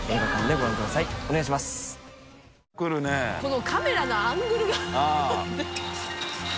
このカメラのアングルが